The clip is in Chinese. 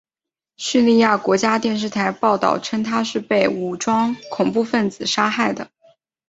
叙利亚国家电视台报道称他是被武装恐怖分子杀害的。